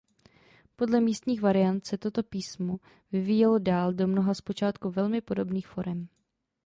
Podle místních variant se toto písmo vyvíjelo dál do mnoha zpočátku velmi podobných forem.